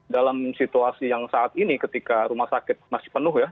dalam situasi yang saat ini ketika rumah sakit masih penuh ya